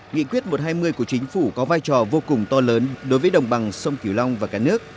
nghị quyết một trăm hai mươi của chính phủ có vai trò vô cùng to lớn đối với đồng bằng sông kiều long và cả nước